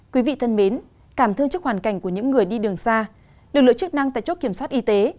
quý vị thân mến cảm thương trước hoàn cảnh của những người đi đường xa lực lượng chức năng tại chốt kiểm soát y tế